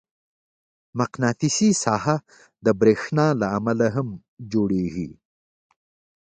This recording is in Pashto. مقناطیسي ساحه د برېښنا له امله هم جوړېږي.